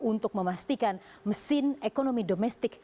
untuk memastikan mesin ekonomi domestik